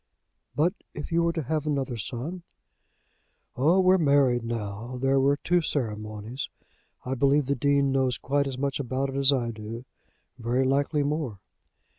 "But if you were to have another son?" "Oh! we're married now! There were two ceremonies. I believe the Dean knows quite as much about it as I do; very likely more.